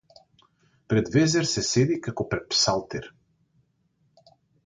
Пред везир се седи како пред псалтир!